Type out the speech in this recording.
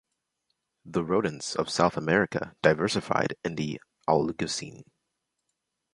The rodents of South America diversified in the Oligocene.